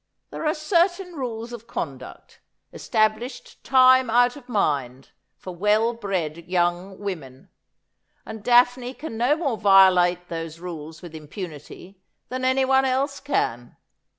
There are certain rules of conduct, established time out of mind, for well bred young women ; and Daphne can no more violate those rules with impunity than anybody tlse can.